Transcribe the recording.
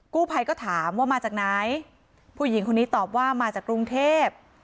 กู้ภัยก็ถามว่ามาจากไหนผู้หญิงคนนี้ตอบว่ามาจากกรุงเทพ